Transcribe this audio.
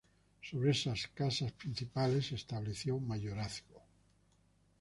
Sobre esas casas principales se estableció mayorazgo.